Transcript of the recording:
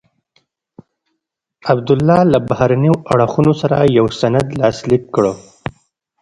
عبدالله له بهرنیو اړخونو سره یو سند لاسلیک کړ.